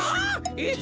えっ？